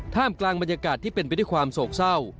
กลางบรรยากาศที่เป็นไปด้วยความโศกเศร้า